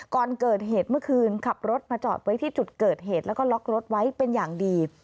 ก่อนเกิดเหตุเมื่อคืนขับรถมาจอดไว้ที่จุดเกิดเหตุแล้วก็ล็อกรถไว้เป็นอย่างดี